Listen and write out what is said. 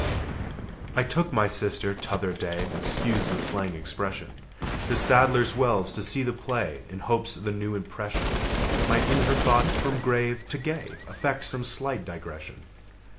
I took my sister t'other day (Excuse the slang expression) To Sadler's Wells to see the play, In hopes the new impression Might in her thoughts, from grave to gay Effect some slight digression.